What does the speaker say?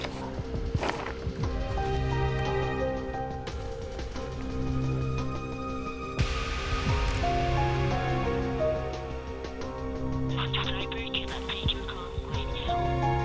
saya akan melakukan apa yang saya inginkan